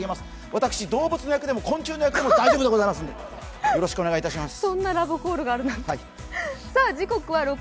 私、動物の役でも昆虫の役でも大丈夫でございますのでよろしくお願いします。